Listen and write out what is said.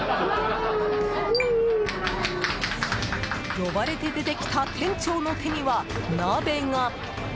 呼ばれて出てきた店長の手には鍋が。